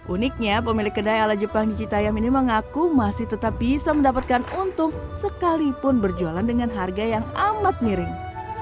uniknya pemilik kedai ala jepang di citayam ini mengaku masih tetap bisa mendapatkan untung sekalipun berjualan dengan harga yang amat miring